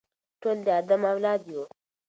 ټول د آدم اولاد یو.